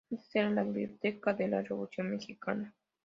Antes era la Biblioteca de la Revolución Mexicana.